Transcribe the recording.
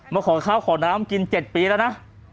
มาขอข้าวขอน้ำกิน๗ปีแล้วนะ